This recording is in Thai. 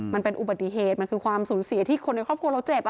มันเป็นอุบัติเหตุมันคือความสูญเสียที่คนในครอบครัวเราเจ็บ